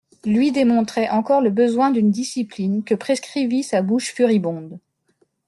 Lui démontrait encore le besoin d'une discipline que prescrivit sa bouche furibonde.